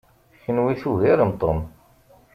Kenwi tugarem Tom.